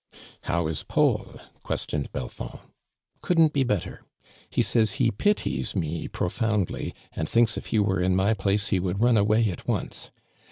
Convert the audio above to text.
" How is Paul ?" questioned Belfond. "Couldn't be better. He says he nities mo profoundly, and thinks if lie wei e m my place ho would run away at once.